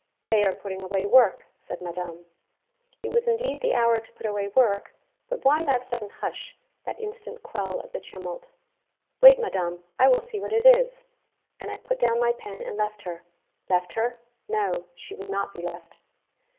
'They are putting away work,' said madame. It was indeed the hour to put away work, but why that sudden hush, that instant quell of the tumult? 'Wait, madam; I will see what it is.' And I put down my pen and left her. Left her? No. She would not be left.